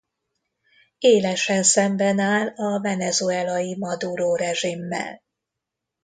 Élesen szemben áll a venezuelai Maduro-rezsimmel.